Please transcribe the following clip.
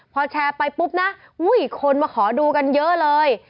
พอแชร์ไปปุ๊บนะคนมาขอดูกันเยอะเลย